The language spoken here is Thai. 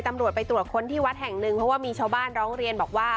ตำรวจไปตรวจค้นที่วัดแห่งหนึ่งเพราะว่ามีชาวบ้านร้องเรียนบอกว่า